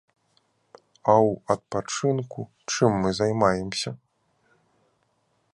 А ў адпачынку чым мы займаемся?